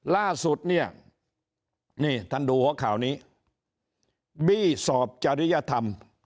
ล่าสุดเนี่ยนี่ท่านดูหัวข่าวนี้บี้สอบจริยธรรม